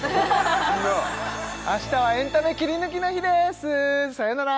みんなあしたはエンタメキリヌキの日ですさよなら